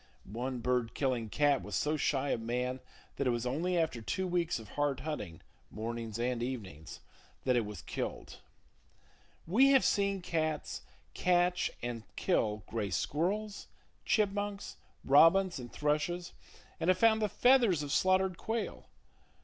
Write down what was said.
One bird killing cat was so shy of man that it was only after two weeks of hard hunting (mornings and evenings) that it was killed. We have seen cats catch and kill gray squirrels, chipmunks, robins and thrushes, and have found the feathers of slaughtered quail.